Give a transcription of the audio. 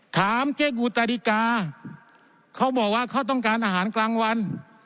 ถามเจ๊กูตาดิกาเขาบอกว่าเขาต้องการอาหารกลางวัน